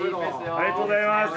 ありがとうございます。